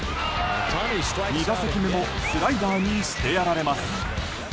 ２打席目もスライダーにしてやられます。